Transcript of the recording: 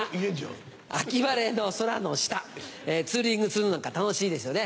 秋晴れの空の下ツーリングするのなんか楽しいですよね。